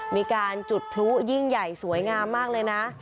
มีการจุดพลุยิ่งใหญ่สวยงามมากเลยนะ